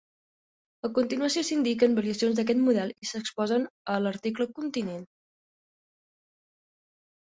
A continuació s'indiquen variacions d'aquest model i s'exposen a l'article Continent.